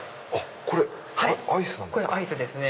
これアイスなんですか？